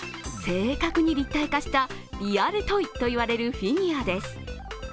正確に立体化したリアルトイと言われるフィギュアです。